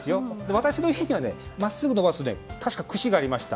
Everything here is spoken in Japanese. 私の時期は、まっすぐ伸ばすくしがありました。